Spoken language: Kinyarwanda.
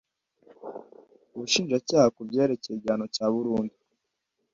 Ubushinjacyaha ku byerekeye igihano cyaburundu.